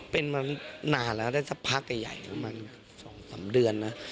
เป็นมานานแล้วได้สักพักใหญ่ประมาณ๒๓เดือนนะ